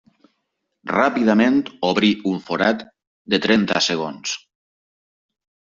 Ràpidament obrí un forat de trenta segons.